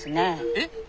えっ？